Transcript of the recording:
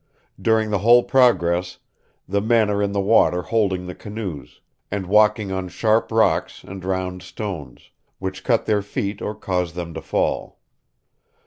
During the whole progress, the men are in the water holding the canoes, and walking on sharp rocks and round stones, which cut their feet or cause them to fall.